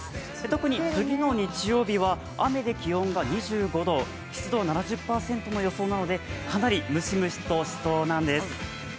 特に次の日曜日は雨で気温が２５度、湿度７０％の予想なのでかなりムシムシしそうなんです。